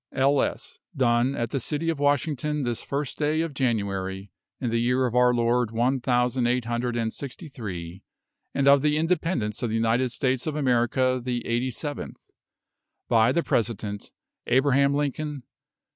L. S. Done at the CITY OF WASHINGTON this first day of January, in the year of our Lord one thousand eight hundred and sixty three, and of the Independence of the United States of America the eighty seventh, By the President, ABRAHAM LINCOLN.